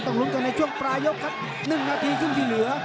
ต้องลุ้นกันในช่วงปลายกครับหนึ่งนาทีซึ่งที่เหลือ